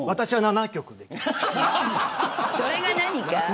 それが何か。